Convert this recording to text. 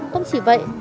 không chỉ vậy